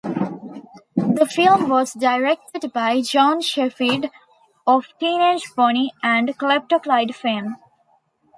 The film was directed by John Shepphird of Teenage Bonnie and Klepto Clyde fame.